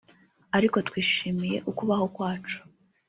ariko twishimiye ukubaho kwacu